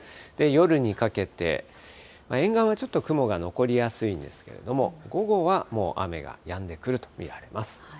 夜にかけて、沿岸はちょっと雲が残りやすいんですけども、午後はもう雨がやんでくると見られます。